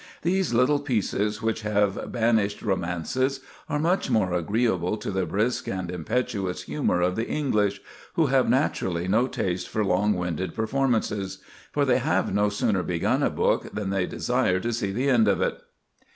These little pieces which have banished romances are much more agreeable to the brisk and impetuous humor of the English, who have naturally no taste for long winded performances; for they have no sooner begun a book than they desire to see the end of it."